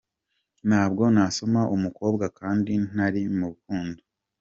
Ntabwo nasoma umukobwa kandi ntari mu rukundo.